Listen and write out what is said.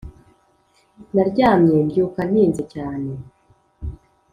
Naryamye mbyuka ntinze cyane